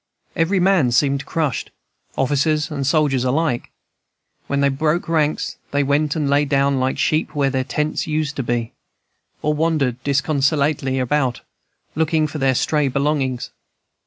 Every man seemed crushed, officers and soldiers alike; when they broke ranks, they went and lay down like sheep where their tents used to be, or wandered disconsolately about, looking for their stray belongings.